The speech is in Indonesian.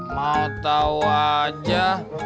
mau tau aja